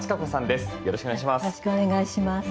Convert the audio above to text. よろしくお願いします。